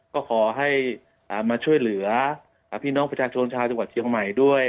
ก็ขอให้มาช่วยเหลือพี่น้องประชาชนชาวจังหวัดเชียงใหม่ด้วย